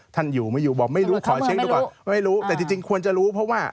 ท่านอยู่ไม่อยู่บอกไม่รู้ขอเช็คดูก่อนไม่รู้แต่จริงควรจะรู้เพราะว่า